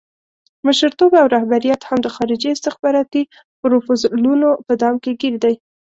مشرتوب او رهبریت هم د خارجي استخباراتي پروفوزلونو په دام کې ګیر دی.